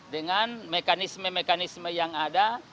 dengan mekanisme mekanisme yang ada